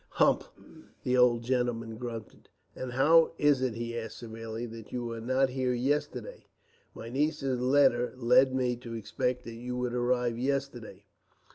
"Humph!" the old gentleman grunted. "And how is it," he asked severely, "that you were not here yesterday? My niece's letter led me to expect that you would arrive yesterday."